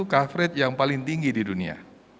coverage yang paling tinggi di dunia